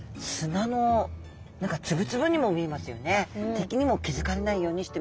敵にも気付かれないようにしてます。